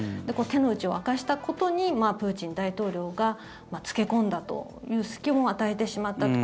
手の内を明かしたことにプーチン大統領が付け込んだという隙も与えてしまった